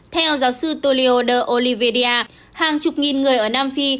theo giáo sư tolio de olivedia hàng chục nghìn người ở nam phi